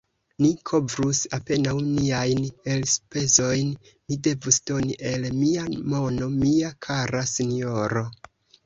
Ni kovrus apenaŭ niajn elspezojn; mi devus doni el mia mono, mia kara sinjoro!